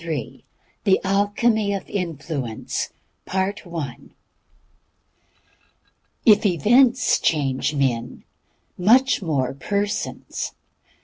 THE ALCHEMY OF INFLUENCE. If events change men, much more persons.